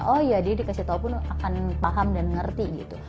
oh ya dia dikasih tahu pun akan paham dan ngerti gitu